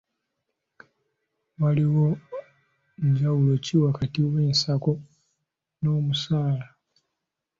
Waliwo njawulo ki wakati w'ensako n'omusaala.